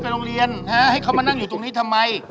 โรงเรียนให้เขามานั่งอยู่ตรงนี้ทำไม